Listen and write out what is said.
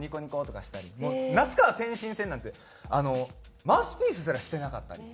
那須川天心戦なんてあのマウスピースすらしてなかったんで。